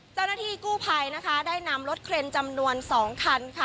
เจ้าหน้าที่กู้ไพรได้นำรถเคล็นจำนวน๒คัน